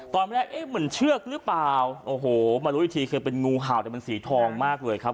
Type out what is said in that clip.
ตอนแรกเอ๊ะเหมือนเชือกหรือเปล่าโอ้โหมารู้อีกทีคือเป็นงูเห่าแต่มันสีทองมากเลยครับ